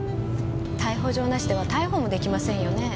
逮捕状なしでは逮捕も出来ませんよねぇ？